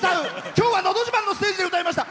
今日は「のど自慢」のステージで歌いました。